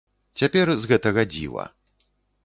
Цяпер з гэтага дзіва.